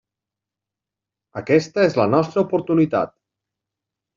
Aquesta és la nostra oportunitat.